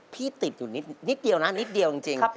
ติดอยู่นิดเดียวนะนิดเดียวจริง